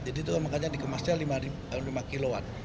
jadi itu makanya dikemasnya lima kg an